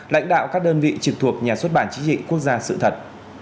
lãnh đạo các đơn vị trực thuộc nhà xuất bản chính trị quốc gia sự thật